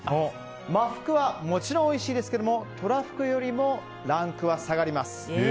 マフクはもちろんおいしいですけどトラフグよりもランクは下がります。